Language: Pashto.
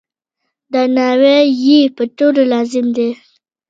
درناوی یې پر ټولو لازم دی.